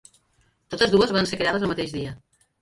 Totes dues van ser creades el mateix dia.